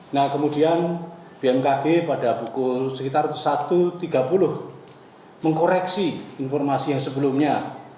nah kemudian bmkg pada pukul sekitar satu tiga puluh mengkoreksi informasi yang sebelumnya